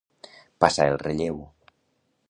Passar el relleu.